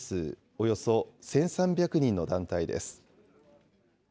およそ１３００人の団体です。